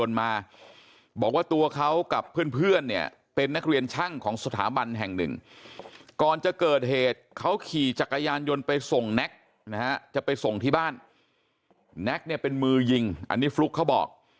แน็คเนี่ยเป็นมือยิงอันนี้ฟลุ๊กเขาบอก